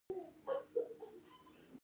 ما وویل هو زه به دا کار وکړم